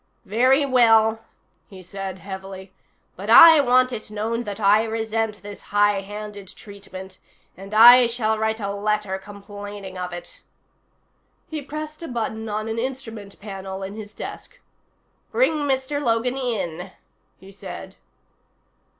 "Very well," he said heavily. "But I want it known that I resent this highhanded treatment, and I shall write a letter complaining of it." He pressed a button on an instrument panel in his desk. "Bring Mr. Logan in," he said.